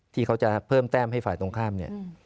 ที่เขาจะเพิ่มแต้มให้ฝ่ายตรงข้ามเนี่ย